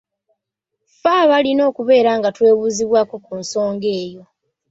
Ffe abalina okubeera nga twebuuzibwako ku nsonga eyo.